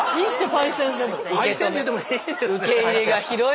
「パイセン」て言ってもいいんですね。